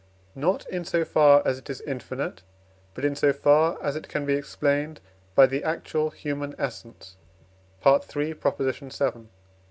not in so far as it is infinite, but in so far as it can be explained by the actual human essence (III. vii.).